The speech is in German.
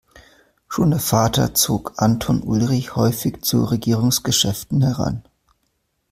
Schon der Vater zog Anton Ulrich häufig zu Regierungsgeschäften heran.